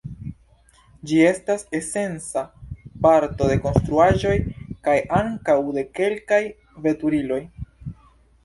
Ĝi estas esenca parto de konstruaĵoj kaj ankaŭ de kelkaj veturiloj.